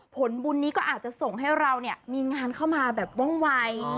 ผลบุญนี้ก็อาจจะส่งให้เราเนี่ยมีงานเข้ามาแบบว่องวัย